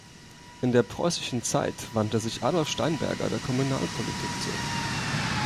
In der preußischen Zeit wandte sich Adolph Steinberger der Kommunalpolitik zu.